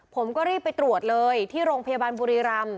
ผมก็รีบไปตรวจเลยที่โรงพยาบาลบุรีรำ